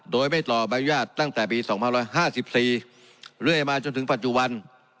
โดยไม่ต่อใบอนุญาตตั้งแต่ปี๒๕๕๔เรื่อยมาจนถึงปัจจุบัน